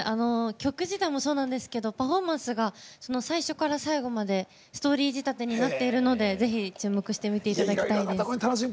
曲自体もそうなんですけどパフォーマンスが最初から最後までストーリー仕立てになっているのでぜひ、注目してみていただきたいです。